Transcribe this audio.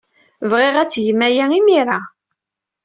Bɣiɣ ad tgem aya imir-a.